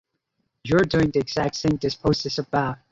You’re doing the exact thing this post is about.